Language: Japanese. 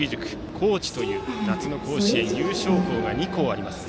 高知という夏の甲子園優勝校が２校あります。